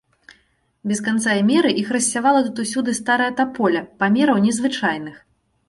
Без канца і меры іх рассявала тут усюды старая таполя, памераў незвычайных.